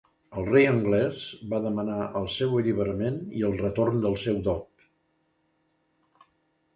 El rei anglès va demanar el seu alliberament i el retorn del seu dot.